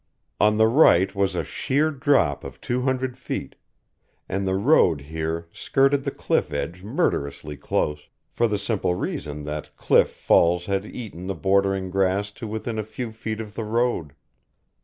On the right was a sheer drop of two hundred feet, and the road here skirted the cliff edge murderously close, for the simple reason that cliff falls had eaten the bordering grass to within a few feet of the road.